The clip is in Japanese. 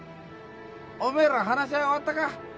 お前ら話し合い終わったか？